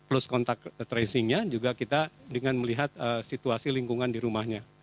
tapi kita bisa melakukan close contact tracingnya juga dengan melihat situasi lingkungan di rumahnya